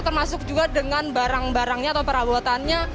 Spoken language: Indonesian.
termasuk juga dengan barang barangnya atau perabotannya